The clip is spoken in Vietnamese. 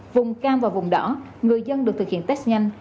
vùng cam và vùng đỏ người dân được thực hiện test nhanh